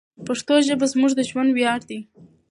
پښتو ژبه زموږ د ژوند ویاړ دی.